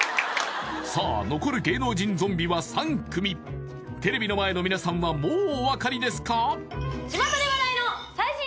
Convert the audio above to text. さあ残る芸能人ゾンビは３組テレビの前の皆さんはもうお分かりですか？